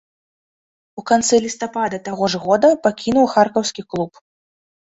У канцы лістапада таго ж года пакінуў харкаўскі клуб.